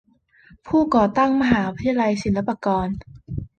ผู้ก่อตั้งมหาวิทยาลัยศิลปากร